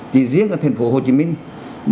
chỉ riêng ở thành phố hồ chí minh